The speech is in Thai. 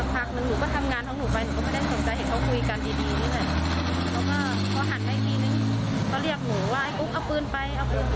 พี่กุ๊กเอาปือนไป